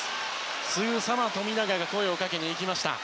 すぐさま富永が声をかけました。